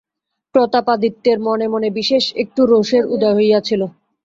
প্রতাপাদিত্যের মনে মনে বিশেষ একটু রোষের উদয় হইয়াছিল।